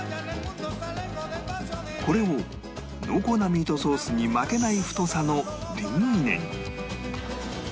これを濃厚なミートソースに負けない太さのリングイネに